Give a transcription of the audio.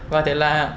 và thế là